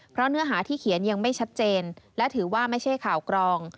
เพราะเนื้อหาที่เขียนยังไม่ชัดเจนและถือว่าไม่ใช่ข่าวกรอง